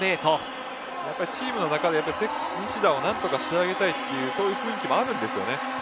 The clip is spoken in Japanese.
チームの中で西田を何とか仕上げたいという雰囲気もあるんですよね。